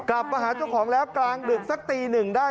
กลับมาหาเจ้าของแล้วกลางดึกสักตีหนึ่งได้